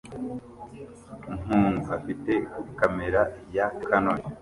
Umuntu afite kamera ya Canon